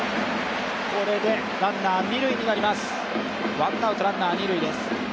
ワンナウトランナー、二塁です。